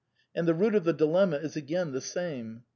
And the root of the dilenmia is again the same.